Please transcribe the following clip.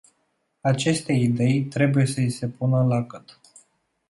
Acestei idei trebuie să i se pună lacăt.